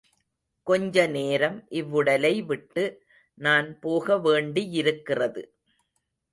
கொஞ்ச நேரம் இவ்வுடலை விட்டு நான் போக வேண்டியிருக்கிறது.